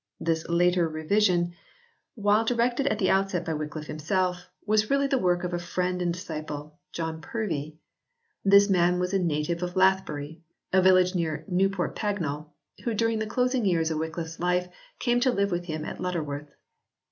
This later revision, while directed at the outset by Wycliffe himself, was n] WYCLIFFE S MANUSCRIPT BIBLE 23 really the work of a friend and disciple, John Purvey. This man was a native of Lathbury, a village near Newport Pagnell, who during the closing years of Wycliffe s life came to live with him at Lutterworth.